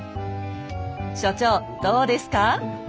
所長どうですか？